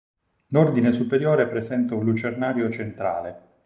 L'ordine superiore presenta un lucernario centrale.